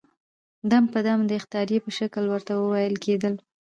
دم په دم د اخطارې په شکل ورته وويل کېدل.